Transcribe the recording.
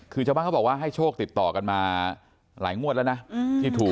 คือชาวบ้านเขาบอกว่าให้โชคติดต่อกันมาหลายงวดแล้วนะที่ถูก